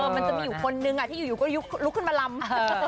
มันจะมีอยู่คนนึงที่อยู่ก็ลุกขึ้นมาลำ